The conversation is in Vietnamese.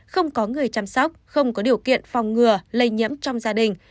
không có người chăm sóc không có điều kiện phòng ngừa lây nhiễm trong gia đình